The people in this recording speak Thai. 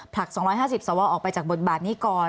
ผลัก๒๕๐สวออกไปจากบทบาทนี้ก่อน